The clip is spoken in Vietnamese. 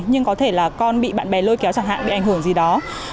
nhưng có thể là con bị bạn bè lôi kéo chẳng hạn bị ảnh hưởng gì đó